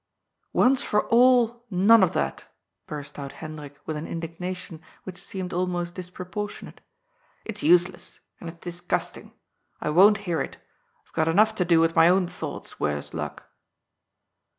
" Once for all, none of that," burst out Hendrik with an indignation which seemed almost disproportionate. "It's useless. And it's disgusting. I won't hear it. I've got enough to do with my own thoughts, worse luck."